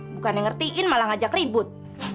bukan yang ngertiin malah ngajak ribut